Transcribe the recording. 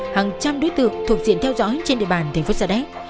hàng trăm đối tượng thuộc diện theo dõi trên địa bàn thành phố sa đéc